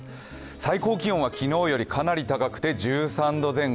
最高気温は昨日よりかなり高くて１３度前後。